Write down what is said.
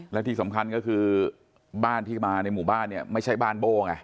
และที่สำคัญก็คือบ้านที่มาในหมู่บ้านเนี่ยไม่ใช่บ้านโบ้ไง